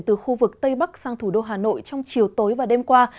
từ khu vực tây bắc sang thủ đô hà nội trong chiều tối và đêm qua